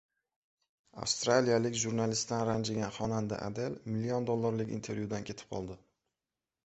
Avstraliyalik jurnalistdan ranjigan xonanda Adel million dollarlik intervyudan ketib qoldi